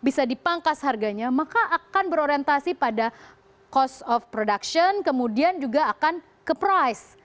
bisa dipangkas harganya maka akan berorientasi pada cost of production kemudian juga akan ke price